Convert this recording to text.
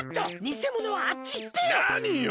なによ！